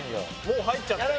もう入っちゃった。